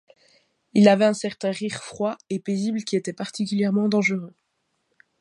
Il avait un certain rire froid et paisible qui était particulièrement dangereux.